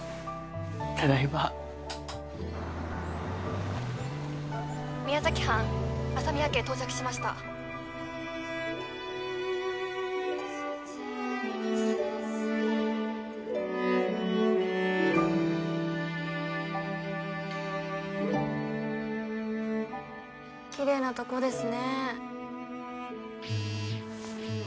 ただいま宮崎班朝宮家到着しましたキレイなとこですね